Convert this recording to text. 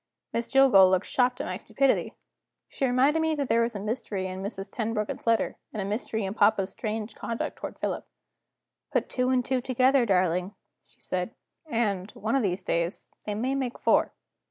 Miss Jillgall looked shocked at my stupidity. She reminded me that there was a mystery in Mrs. Tenbruggen's letter and a mystery in papa's strange conduct toward Philip. "Put two and two together, darling," she said; "and, one of these days, they may make four."